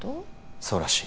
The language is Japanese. そうらしい